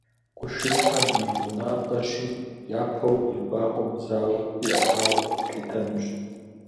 Къуршыщхьэр ди гъунапкъэщи, япэу ебакъуэм зауэ къиӏэтауэ къэтлъытэнущ.